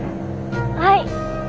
はい。